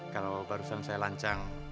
kalau barusan saya lancang